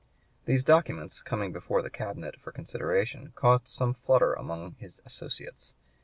These documents, coming before the Cabinet for consideration, caused some flutter among his associates.